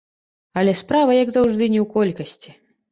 Але справа, як заўжды, не ў колькасці.